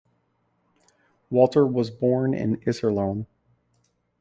Walter was born in Iserlohn.